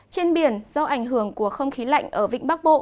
trên biển do ảnh hưởng của không khí lạnh ở vịnh bắc bộ